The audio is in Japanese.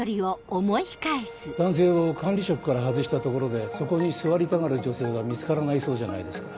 男性を管理職から外したところでそこに座りたがる女性が見つからないそうじゃないですか